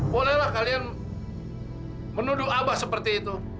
bolehlah kalian menuduh abah seperti itu